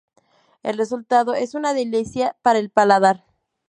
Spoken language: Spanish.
El resultado es una delicia para el paladar.